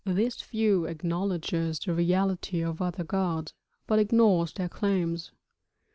This view acknowledges the reality of other gods, but ignores their claims.